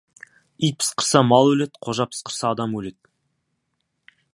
Ит пысқырса, мал өледі, қожа пысқырса, адам өледі.